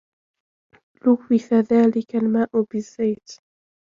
لوث ذلك الماء بالزيت.